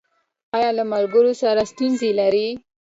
ایا له ملګرو سره ستونزې لرئ؟